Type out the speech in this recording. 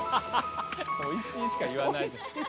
「おいしい」しか言わないし。